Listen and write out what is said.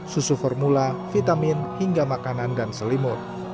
susu formula vitamin hingga makanan dan selimut